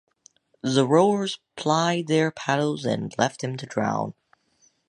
The rowers plied their paddles and left him to drown.